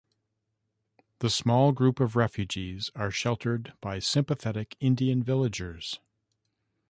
The small group of refugees are sheltered by sympathetic Indian villagers.